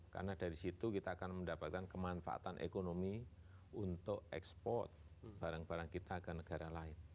karena dari situ kita akan mendapatkan kemanfaatan ekonomi untuk ekspor barang barang kita ke negara lain